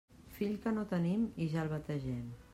Fill que no tenim i ja el bategem.